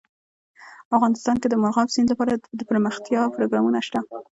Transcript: افغانستان کې د مورغاب سیند لپاره دپرمختیا پروګرامونه شته.